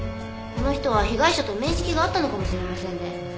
この人は被害者と面識があったのかもしれませんね。